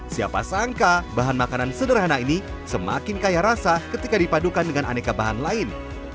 siapa sangka bahan makanan sederhana ini semakin kaya rasa ketika dipadukan dengan aneka bahan lain